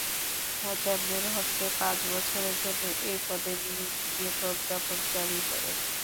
মোজাম্মেল হককে পাঁচ বছরের জন্য এ পদে নিয়োগ দিয়ে প্রজ্ঞাপন জারি করে।